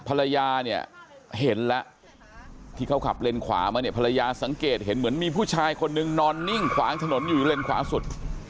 ภรรยาเนี่ยเห็นแล้วที่เขาขับเลนขวามาเนี่ยภรรยาสังเกตเห็นเหมือนมีผู้ชายคนนึงนอนนิ่งขวางถนนอยู่เลนขวาสุด